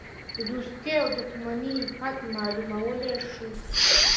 د دوستی او دوښمنی حد معلومولی شوای.